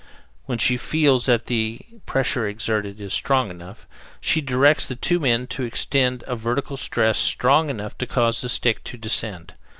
When she feels that the pressure exerted is great enough, she directs the two men to exert a vertical stress strong enough to cause the stick to descend.